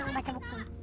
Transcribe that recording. seneng baca buku